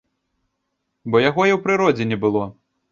Бо яго і ў прыродзе не было.